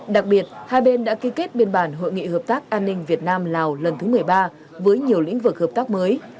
đặc biệt hai bên đã ký kết biên bản hội nghị hợp tác an ninh việt nam lào lần thứ một mươi ba với nhiều lĩnh vực hợp tác mới